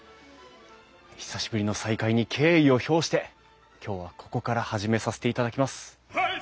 久しぶりの再会に敬意を表して今日はここから始めさせていただきます。